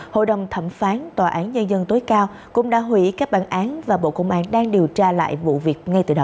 hội đồng thẩm phán tòa án nhân dân tối cao cũng đã hủy các bản án và bộ công an đang điều tra lại vụ việc ngay từ đầu